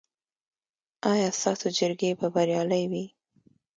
ایا ستاسو جرګې به بریالۍ وي؟